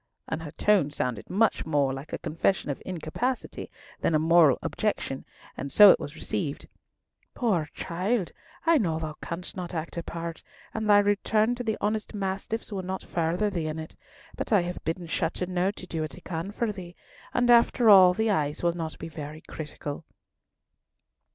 and her tone sounded much more like a confession of incapacity than a moral objection, and so it was received: "Poor child, I know thou canst not act a part, and thy return to the honest mastiffs will not further thee in it; but I have bidden Chateauneuf to do what he can for thee—and after all the eyes will not be very critical."